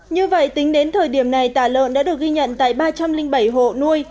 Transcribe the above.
như vậy tính đến thời điểm này tả lợn đã được ghi nhận tại ba trăm linh bảy hộ nuôi